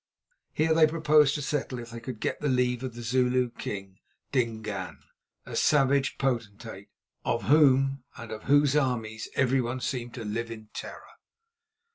Here they proposed to settle if they could get the leave of the Zulu king, Dingaan, a savage potentate of whom and of whose armies everyone seemed to live in terror.